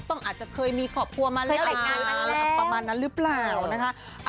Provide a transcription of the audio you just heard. ต้องอาจจะเคยมีขอบครัวมาแล้วประมาณนั้นหรือเปล่านะคะ